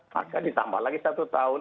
maka ditambah lagi satu tahun